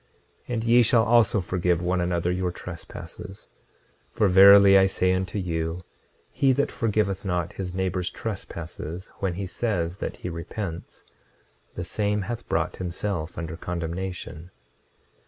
26:31 And ye shall also forgive one another your trespasses; for verily I say unto you, he that forgiveth not his neighbor's trespasses when he says that he repents, the same hath brought himself under condemnation.